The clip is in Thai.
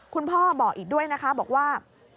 คุณพ่อบอกอีกด้วยนะคะบอกว่า